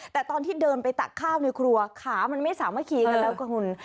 แต่ตอนที่เดินไปตักข้าวในครัวขามันไม่สามารถคีกันแล้วกับคุณ